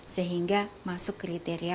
sehingga masuk kriteria